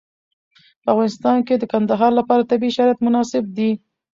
په افغانستان کې د کندهار لپاره طبیعي شرایط مناسب دي.